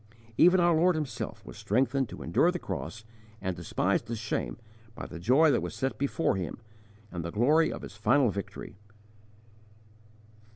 Even our Lord Himself was strengthened to endure the cross and despise the shame by the joy that was set before Him and the glory of His final victory.